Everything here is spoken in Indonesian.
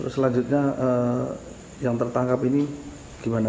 selanjutnya yang tertangkap ini gimana